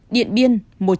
điện biên một trăm bốn mươi